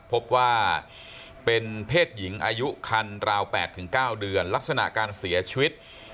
พบว่าเป็นเพศหญิงอายุคันราว๘๙เดือนลักษณะการเสียชีวิต